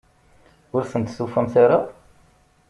Ur tent-tufamt ara?